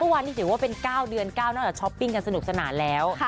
วันนี้ถือว่าเป็น๙เดือน๙นอกจากช้อปปิ้งกันสนุกสนานแล้ว